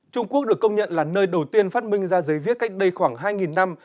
trung quốc được công nhận là nơi đầu tiên phát minh ra giấy viết cách đây khoảng hai năm